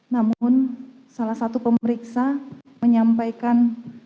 namun salah satu pemeriksa menyampaikan